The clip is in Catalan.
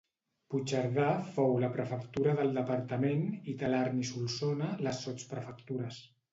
Puigcerdà fou la prefectura del departament i Talarn i Solsona les sotsprefectures.